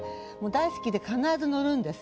大好きで必ず乗るんです。